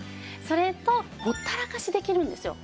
それとほったらかしできるんですよ。